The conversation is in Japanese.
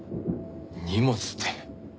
荷物って。